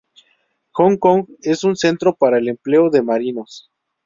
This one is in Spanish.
Hong Kong es un centro para el empleo de marinos.